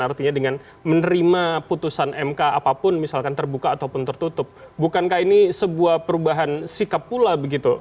artinya dengan menerima putusan mk apapun misalkan terbuka ataupun tertutup bukankah ini sebuah perubahan sikap pula begitu